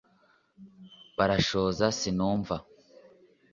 barashoza sinumva